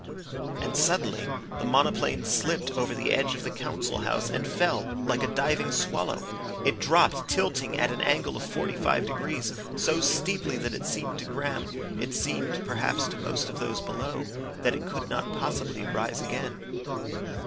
And suddenly the monoplane slipped over the edge of the Council House and fell like a diving swallow. It dropped, tilting at an angle of forty five degrees, so steeply that it seemed to Graham, it seemed perhaps to most of those below, that it could not possibly rise again.